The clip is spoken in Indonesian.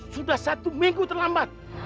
sudah satu minggu terlambat